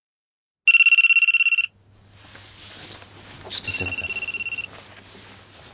ちょっとすいません。